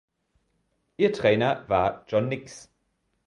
Ihr Trainer war John Nicks.